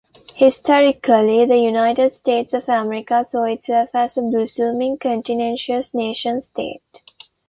Historically, the United States of America saw itself as a blossoming continental nation-state.